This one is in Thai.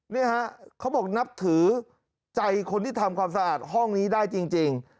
เนี่ยฮะเขาบอกนับถือใจคนที่ทำความสะอาดห้องนี้ได้จริง